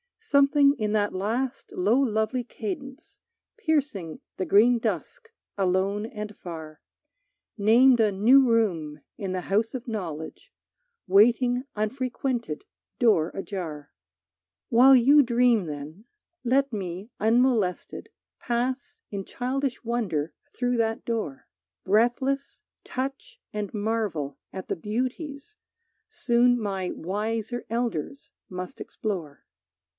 Something in that last low lovely cadence Piercing the green dusk alone and far, Named a new room in the house of knowledge, Waiting unfrequented, door ajar. While you dream then, let me unmolested Pass in childish wonder through that door, Breathless, touch and marvel at the beauties Soon my wiser elders must explore.